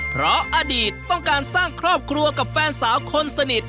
เพราะอดีตต้องการสร้างครอบครัวกับแฟนสาวคนสนิท